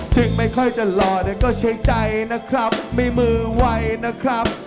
ถึงไม่ค่อยจะรอเดี๋ยวก็ใช้ใจนะครับมีมือไวนะครับ